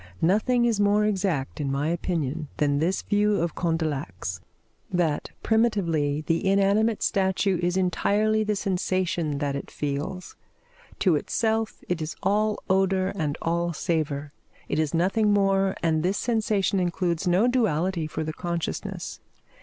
Nothing is more exact, in my opinion, than this view of Condillac's: that primitively, the inanimate statue is entirely the sensation that it feels. To itself it is all odour and all savour; it is nothing more, and this sensation includes no duality for the consciousness.